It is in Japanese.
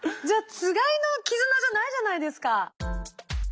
じゃあつがいの絆じゃないじゃないですか。